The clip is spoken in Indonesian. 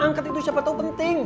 angkat itu siapa tau penting